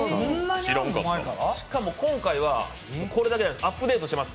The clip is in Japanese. しかも今回はこれだけじゃないですアップデートしてます。